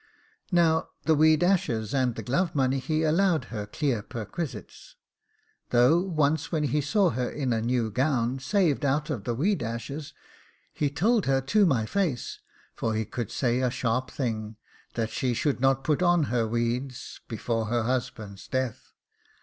Now the weed ashes and the glove money he allowed her clear perquisites; though once when he saw her in a new gown saved out of the weed ashes, he told her to my face (for he could say a sharp thing) that she should not put on her weeds before her husband's death.